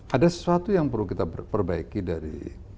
ada sesuatu yang perlu kita perbaiki dari